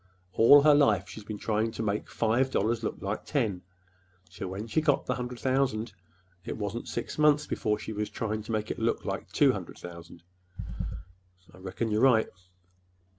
All her life she's been trying to make five dollars look like ten; so when she got the hundred thousand, it wasn't six months before she was trying to make that look like two hundred thousand." "I reckon you're right."